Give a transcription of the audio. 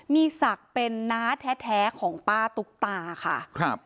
มีศักดิ์เป็นน้าแท้ของป้าตุ๊กตาค่ะครับ